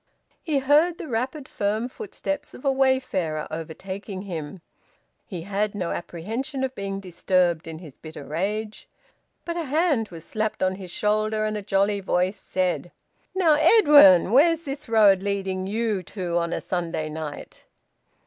He heard the rapid firm footsteps of a wayfarer overtaking him. He had no apprehension of being disturbed in his bitter rage. But a hand was slapped on his shoulder, and a jolly voice said "Now, Edwin, where's this road leading you to on a Sunday night?"